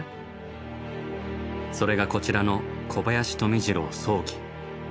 それがこちらの「小林富次郎葬儀」。